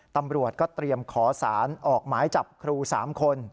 ตำรวจก็เตรียมขอสารออกหมายจับครู๓คน